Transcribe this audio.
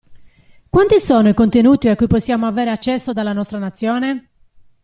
Quanti sono i contenuti a cui possiamo avere accesso dalla nostra nazione?